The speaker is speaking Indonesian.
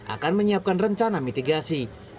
akan menyiapkan rencana mitigasi